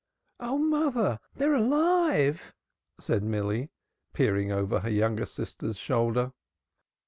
"O, mother, they're alive!" said Milly, peering over her younger sister's shoulder.